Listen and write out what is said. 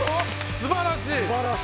すばらしい。